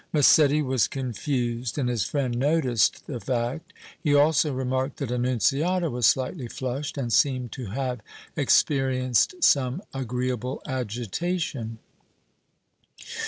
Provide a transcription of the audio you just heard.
Massetti was confused and his friend noticed the fact. He also remarked that Annunziata was slightly flushed and seemed to have experienced some agreeable agitation.